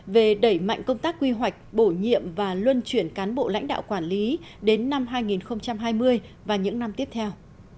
về đẩy mạnh công tác quy hoạch bổ nhiệm và luân chuyển cán bộ lãnh đạo quản lý đến năm hai nghìn hai mươi và những năm tiếp theo